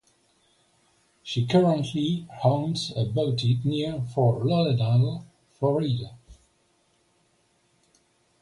She currently owns a boutique near Fort Lauderdale, Florida.